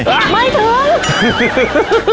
ไม่ถึง